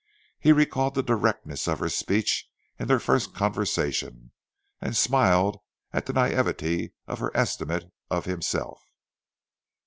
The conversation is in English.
He recalled the directness of her speech in their first conversation and smiled at the naïveté of her estimate of himself.